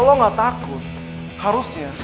lo gak takut harusnya